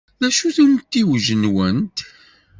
D acu-t umtiweg-nwent?